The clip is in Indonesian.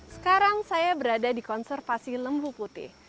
sekarang saya berada di konservasi lembu putih